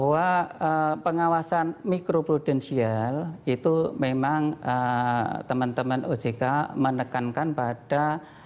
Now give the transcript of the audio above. bahwa pengawasan mikro prudensial itu memang teman teman ojk menekankan pada